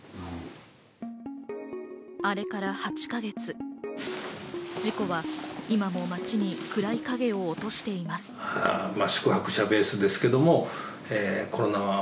あれから８か月、事故は今も町に暗い影を落としています。